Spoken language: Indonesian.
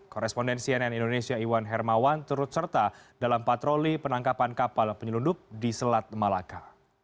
korespondensi nn indonesia iwan hermawan turut serta dalam patroli penangkapan kapal penyelundup di selat malaka